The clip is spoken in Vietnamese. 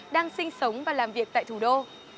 đang sinh sống và làm việc tại thủ đô